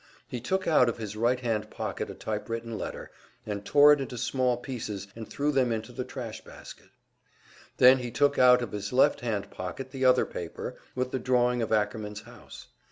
He took out of his right hand pocket a typewritten letter, and tore it into small pieces and threw them into the trash basket. Then he took out of his left hand pocket the other paper, with the drawing of Ackerman's house.